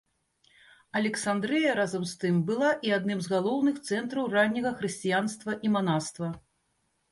Александрыя разам з тым была і адным з галоўных цэнтраў ранняга хрысціянства і манаства.